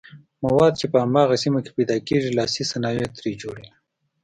مواد چې په هماغه سیمه کې پیداکیږي لاسي صنایع ترې جوړوي.